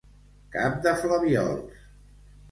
Cap de flabiols.